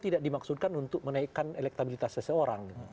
tidak dimaksudkan untuk menaikkan elektabilitas seseorang